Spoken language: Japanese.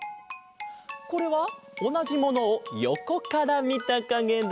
これはおなじものをよこからみたかげだ。